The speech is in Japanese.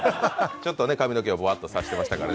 ちょっと髪の毛をぼわっとさせていただきました。